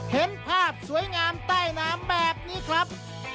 เห็นภาพสวยงามใต้น้ำแบบนี้ครับ